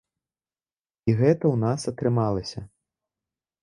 І гэта ў нас атрымалася.